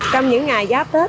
trong những ngày giáp tết